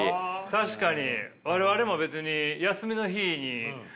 確かに。